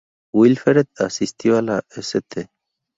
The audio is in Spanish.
Wilfred asistió a la "St.